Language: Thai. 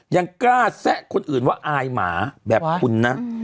ยังกล้าแซะคนอื่นว่าอายหมาแบบคุณนะ